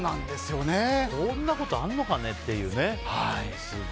そんなことあんのかねっていう。